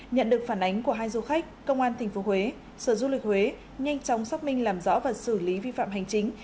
nhận được phản ánh của hai du khách công an tp huế sở du lịch huế nhanh chóng xác minh làm rõ và xử lý vi phạm hành chính